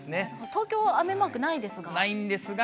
東京は雨マークないですが。